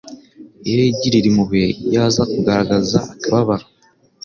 Iyo yigirira impuhwe, iyo aza kugaragaza akababaro